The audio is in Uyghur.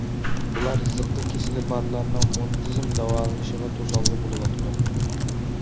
بۇلار زىققا كېسىلى بارلارنىڭ مۇنتىزىم داۋالىنىشىغا توسالغۇ بولۇۋاتىدۇ.